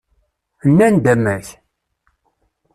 Nnan-d amek?